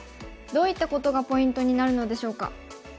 どういったことがポイントになるのでしょうか。